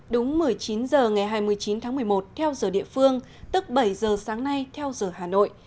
đúng một mươi chín h ngày hai mươi chín tháng một mươi một theo giờ địa phương tức bảy giờ sáng nay theo giờ hà nội